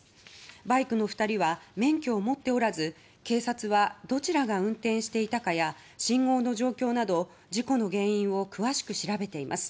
バイクの２人は免許を持っておらず警察はどちらが運転していたかや信号の状況など事故の原因を詳しく調べています。